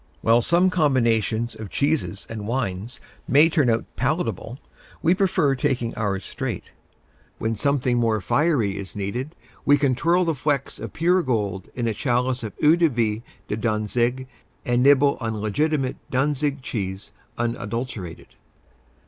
While some combinations of cheeses and wines may turn out palatable, we prefer taking ours straight. When something more fiery is needed we can twirl the flecks of pure gold in a chalice of Eau de Vie de Danzig and nibble on legitimate Danzig cheese unadulterated.